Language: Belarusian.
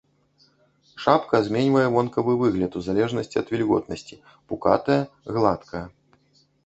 Шапка зменьвае вонкавы выгляд у залежнасці ад вільготнасці, пукатая, гладкая.